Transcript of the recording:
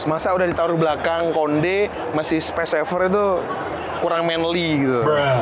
masa udah ditaruh belakang kondek masih space effort itu kurang manly gitu